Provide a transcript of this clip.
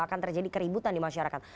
akan terjadi keributan di masyarakat